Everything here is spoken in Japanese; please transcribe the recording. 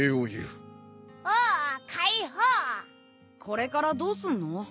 これからどうすんの？